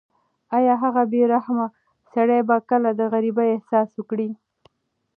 ایا هغه بې رحمه سړی به کله د غریبۍ احساس وکړي؟